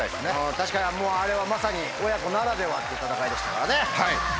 確かにあれはまさに親子ならではっていう戦いでしたからね。